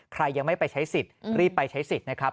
ใครยังไม่ไปใช้สิทธิ์รีบไปใช้สิทธิ์นะครับ